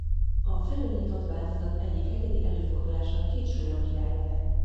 A felül nyitott változat egyik egyedi előfordulása Két Sólyom király neve.